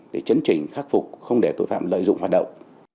để chấn trình khắc phục không để tội phạm lợi dụng hoạt động